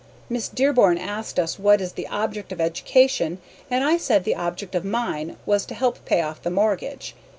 Miss Dearborn asked us what is the object of edducation and I said the object of mine was to help pay off the morgage.